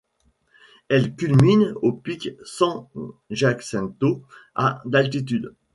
Elles culminent au pic San Jacinto à d'altitude.